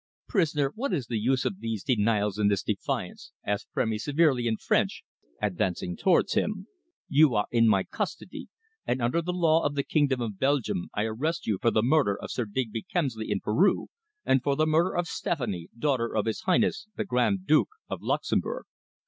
"Prisoner, what is the use of these denials and this defiance?" asked Frémy severely in French, advancing towards him. "You are in my custody and under the law of the Kingdom of Belgium I arrest you for the murder of Sir Digby Kemsley, in Peru, and for the murder of Stephanie, daughter of his Highness the Grand Duke of Luxemburg."